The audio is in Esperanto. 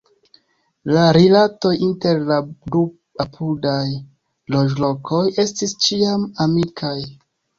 La rilatoj inter la du apudaj loĝlokoj estis ĉiam amikaj.